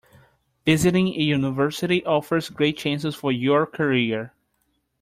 Visiting a university offers great chances for your career.